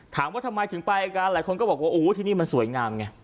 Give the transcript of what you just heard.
ถามว่าทำไมถึงไปกันหลายคนก็บอกว่าโอ้ที่นี่มันสวยงามไง